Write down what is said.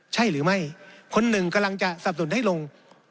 ใช่หรือไม่คนหนึ่งกำลังจะสับสนุนให้ลง